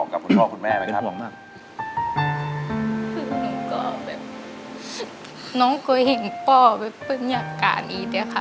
คุณก็แบบน้องก็เห็นพ่อแบบเป็นอย่างกลางอีกเลยครับ